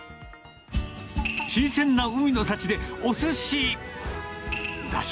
新鮮な海の幸で、おすし。